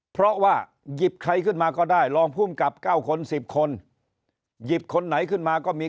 เพราะว่าหยิบใครขึ้นมาก็ได้ลองพุ่มกับ๙คน๑๐คน